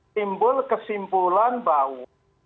simbol kesimpulan bahwa